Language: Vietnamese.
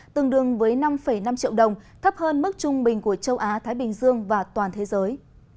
tương đương với năm năm triệu đồng thấp hơn mức trung bình của châu á thái bình dương và toàn thế giới